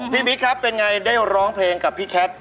บิ๊กครับเป็นไงได้ร้องเพลงกับพี่แคท